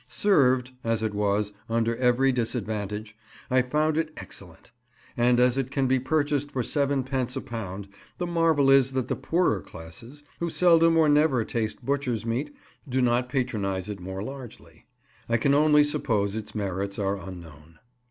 "Served," as it was, under every disadvantage, I found it excellent; and as it can be purchased for seven pence a pound, the marvel is that the poorer classes, who seldom or never taste butcher's meat, do not patronise it more largely. I can only suppose its merits are unknown.